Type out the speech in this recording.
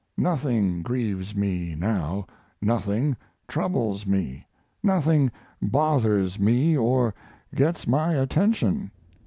Nothing grieves me now; nothing troubles me, nothing bothers me or gets my attention.